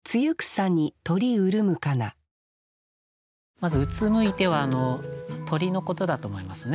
まず「うつむいて」は鳥のことだと思いますね。